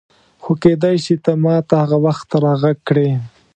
خو کېدای شي ته ما ته هغه وخت راغږ کړې.